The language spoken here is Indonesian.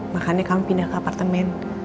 makanya kami pindah ke apartemen